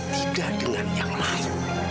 tidak dengan yang lain